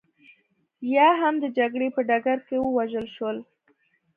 یا هم د جګړې په ډګر کې ووژل شول